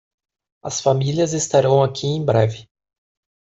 As famílias estarão aqui em breve.